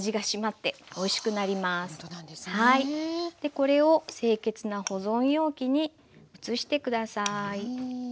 これを清潔な保存容器に移して下さい。